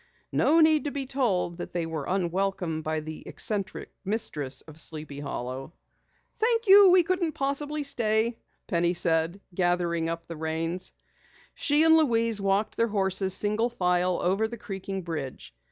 No need to be told that they were unwelcome by the eccentric mistress of Sleepy Hollow. "Thank you, we couldn't possibly stay," Penny said, gathering up the reins. She and Louise walked their horses single file over the creaking bridge.